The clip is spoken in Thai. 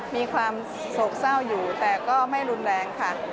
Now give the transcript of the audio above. มีความโศกเศร้าอยู่แต่ก็ไม่รุนแรงค่ะ